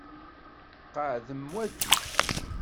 Qeɛdem waki.